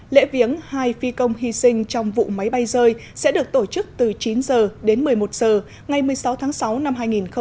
lễ viếng hai phi công hy sinh trong vụ máy bay rơi sẽ được tổ chức từ chín giờ đến một mươi một giờ ngày một mươi sáu tháng sáu năm hai nghìn một mươi chín